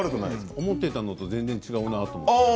思ってたのと全然違うなと思って。